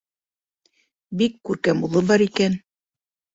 Бик күркәм улы бар икән.